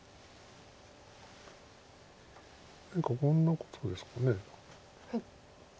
何かこんなことですか。